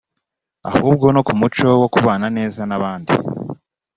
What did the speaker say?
ahubwo no ku muco wo kubana neza n’abandi